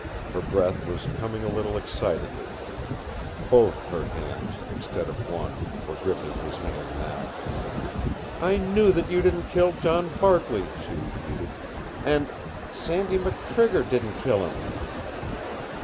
Her breath was coming a little excitedly. Both her hands, instead of one, were gripping his hand now. "I knew that you didn't kill John Barkley," she repeated. "And SANDY MCTRIGGER DIDN'T KILL HIM!"